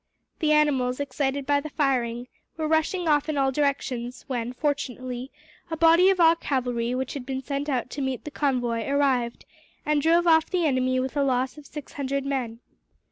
The animals, excited by the firing, were rushing off in all directions when, fortunately, a body of our cavalry which had been sent out to meet the convoy arrived, and drove off the enemy with a loss of six hundred men.